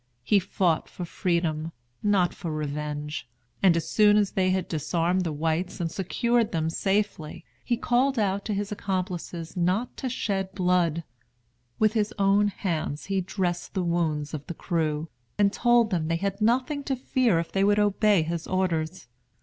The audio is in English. He fought for freedom, not for revenge; and as soon as they had disarmed the whites and secured them safely, he called out to his accomplices not to shed blood. With his own hands he dressed the wounds of the crew, and told them they had nothing to fear if they would obey his orders.